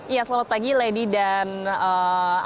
ya selamat pagi lady dan